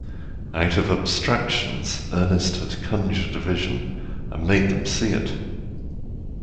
Out of abstractions Ernest had conjured a vision and made them see it.